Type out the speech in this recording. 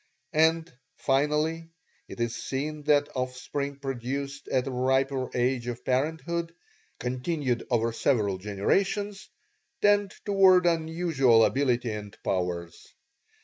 And, finally, it is seen that offspring produced at a riper age of parenthood, continued over several generations, tend toward unusual ability and powers.